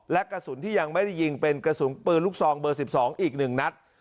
และกระสุนที่ยังไม่ได้ยิงเป็นกระสุนปืนลูกซองเบอร์๑๒อีก๑นัด